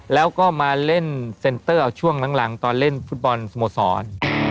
แล้วก็มาเล่นเซ็นเตอร์เอาช่วงหลังตอนเล่นฟุตบอลสโมสร